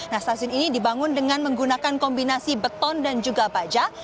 nah stasiun ini dibangun dengan menggunakan kombinasi beton dan juga baja